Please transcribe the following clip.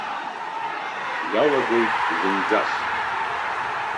Иалагоит зынӡас!